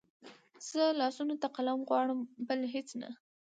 زه لاسونو ته قلم غواړم بل هېڅ نه